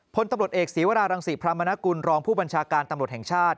พลตำรวจเอกศีวรารังศิพรามนกุลรองผู้บัญชาการตำรวจแห่งชาติ